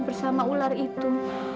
bersama ular itu